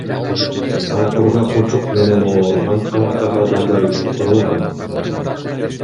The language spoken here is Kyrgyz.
Ал кургак учук менен ооруган камактагы адамдар үчүн курулган.